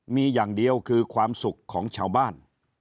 มีอย่างเดียวคือความสุขของชาวบ้าน